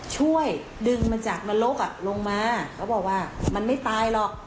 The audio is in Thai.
ช่วยดึงมันจากนรกลงมาเขาบอกว่ามันไม่ตายหรอก